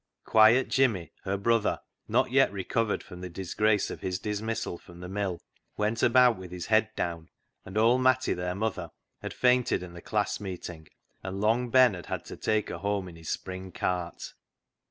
Quiet Jimmy, her brother, not yet recovered from the disgrace of his dismissal from the mill, went about with his head down, and old Matty, their mother, had fainted in the class meeting, and Long Ben had had to take her home in his spring cart.